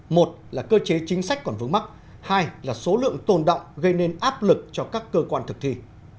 một là cơ chế chính sách còn vướng mắt hai là số lượng tồn động gây nên áp lực cho các cơ quan thực thi